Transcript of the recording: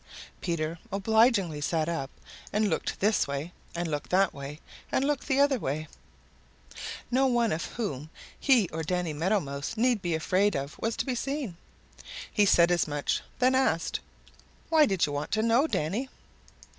Peter obligingly sat up and looked this way and looked that way and looked the other way. No one of whom he or Danny Meadow Mouse need be afraid was to be seen. He said as much, then asked, "Why did you want to know, Danny?"